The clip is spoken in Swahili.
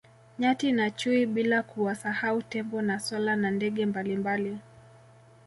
Nyati na chui bila kuwasahau tembo na swala na ndege mbalimbali